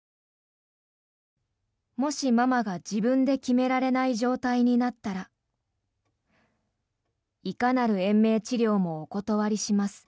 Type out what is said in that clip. もしママが自分で決められない状態になったらいかなる延命治療もお断りします。